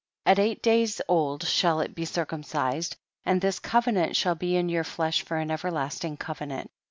18. At eight days old shall it be circumcised, and this covenant shall be in your flesh for an everlasting covenant.